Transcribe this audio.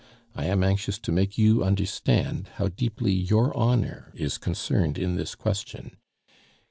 I am anxious to make you understand how deeply your honor is concerned in this question.